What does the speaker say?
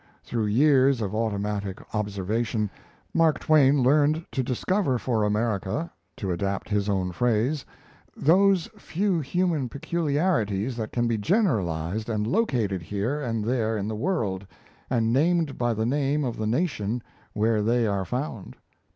Through years of automatic observation, Mark Twain learned to discover for America, to adapt his own phrase, those few human peculiarities that can be generalized and located here and there in the world and named by the name of the nation where they are found.